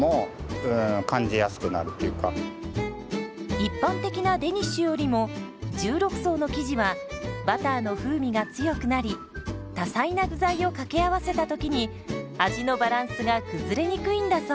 一般的なデニッシュよりも１６層の生地はバターの風味が強くなり多彩な具材を掛け合わせた時に味のバランスが崩れにくいんだそう。